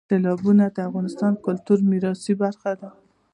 سیلابونه د افغانستان د کلتوري میراث برخه ده.